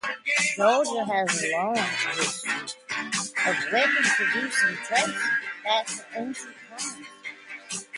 Georgia has a long history of weapon production tracing back to ancient times.